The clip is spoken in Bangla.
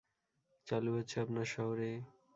চালু হচ্ছে আপনার শহরে!